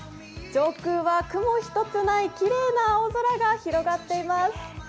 上空は雲一つないきれいな青空が広がっています。